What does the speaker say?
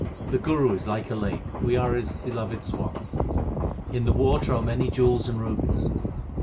The Guru is like a lake ; we are his beloved swans : In the water are many jewels and rubies.